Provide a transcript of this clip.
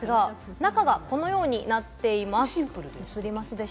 中がこのようになっています。